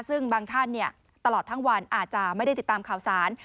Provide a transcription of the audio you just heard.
ซึ่งบางท่านตลอดทั้งวันอาจจะไม่ได้ติดตามข่าวสาร